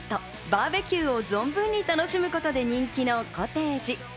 バーベキューを存分に楽しむことで人気のコテージ。